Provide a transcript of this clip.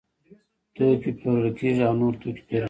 توکي پلورل کیږي او نور توکي پیرل کیږي.